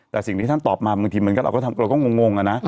แต่สิ่งที่ท่านตอบมาบางทีเหมือนกันเราก็งง